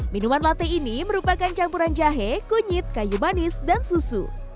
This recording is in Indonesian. minuman latte ini merupakan campuran jahe kunyit kayu manis dan susu